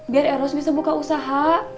biar eros bisa buka usaha